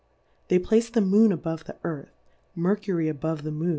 They plac'd the Moon above the Earthy Mercury above the M^?